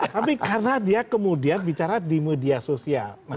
tapi karena dia kemudian bicara di media sosial